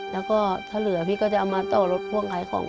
แล้วก็ถ้าเหลือพี่ก็จะเอามาต่อรถพ่วงขายของ